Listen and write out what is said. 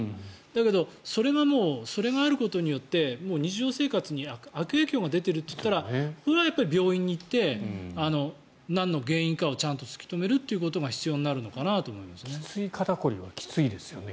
だけど、それがもうそれがあることによって日常生活に悪影響が出ているといったらそれはやっぱり病院に行ってなんの原因かをちゃんと突き止めることが必要なのかなと思いますね。